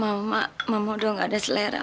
mama mama udah gak ada selera